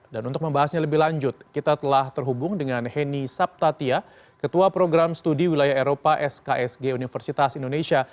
dan untuk membahasnya lebih lanjut kita telah terhubung dengan henny saptatya ketua program studi wilayah eropa sksg universitas indonesia